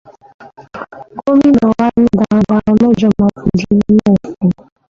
Gómìnà wa ní darandaran mẹ́jọ má fojú winá òfin.